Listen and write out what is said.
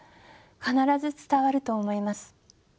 必ず伝わると思います。